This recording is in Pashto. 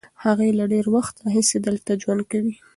هغوی له ډېر وخت راهیسې دلته ژوند کوي.